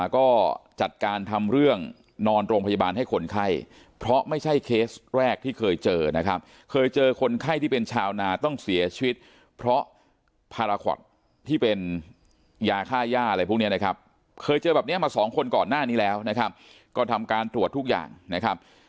ก็จัดการทำเรื่องนอนโรงพยาบาลให้คนไข้เพราะไม่ใช่เคสแรกที่เคยเจอนะครับ